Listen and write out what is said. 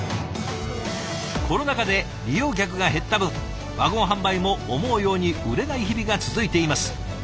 コロナ禍で利用客が減った分ワゴン販売も思うように売れない日々が続いています。